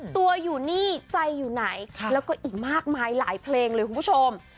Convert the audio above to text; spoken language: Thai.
ตัวอยู่นี่ใจอยู่ไหนแล้วก็อีกมากมายหลายเพลงเลยคุณผู้ชม